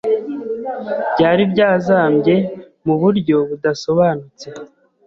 byari byazambye mu buryo budasobanutse.